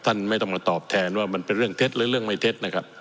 ไม่ต้องมาตอบแทนว่ามันเป็นเรื่องเท็จหรือเรื่องไม่เท็จนะครับ